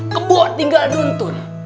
kebua tinggal duntun